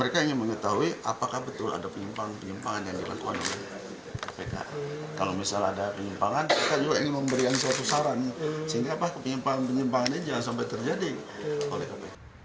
pansus angket kpk juga memberikan suatu saran sehingga penyimpanan penyimpanan ini jangan sampai terjadi oleh kpk